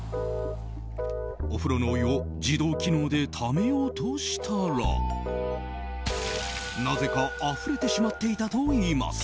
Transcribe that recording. お風呂のお湯を自動機能でためようとしたらなぜか、あふれてしまっていたといいます。